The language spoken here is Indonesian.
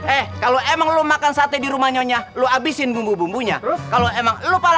eh kalau emang lo makan sate di rumah nyonya lo abisin bumbu bumbunya